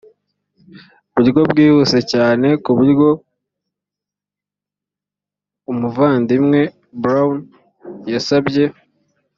uburyo bwihuse cyane ku buryo umuvandimwe brown yasabye